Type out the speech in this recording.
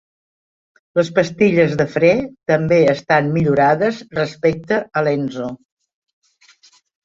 Les pastilles de fre també estan millorades respecte a l'Enzo.